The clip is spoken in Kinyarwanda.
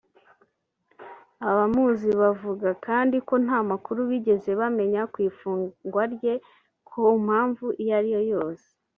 Abamuzi bavuga kandi ko nta makuru bigeze bamenya ku ifungwa rye ku mpamvu iyo ariyo yose